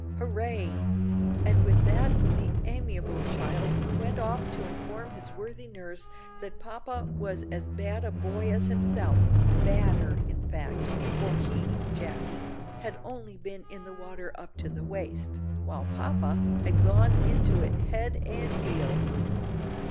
"Hooray!" and with that the amiable child went off to inform his worthy nurse that "papa was as bad a boy as himself badder, in fact; for he, (Jacky), had only been in the water up to the waist, while papa had gone into it head and heels!"